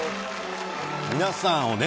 皆さんをね